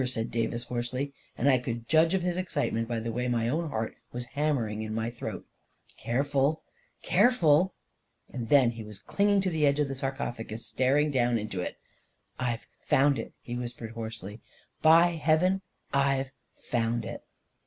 " said Davis, hoarsely, and I could judge of his excitement by the way my own heart was hammering in my throat. " Careful 1 Careful !" And then he was clinging to the edge of the sarcophagus, staring down into it. " I've found it I " he whispered hoarsely. " By heaven, Fve found it!"